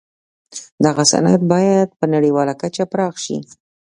دغه صنعت باید په نړیواله کچه پراخ شي